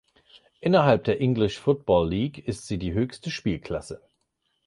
Innerhalb der English Football League ist sie die höchste Spielklasse.